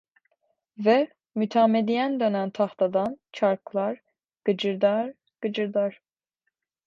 Ve mütemadiyen dönen tahtadan çarklar gıcırdar, gıcırdar.